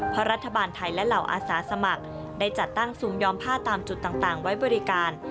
เพราะรัฐบาลไทยและเหล่าอาสาสมัครได้จัดตั้งซุมยอมผ้าตามจุดต่างไว้บริการ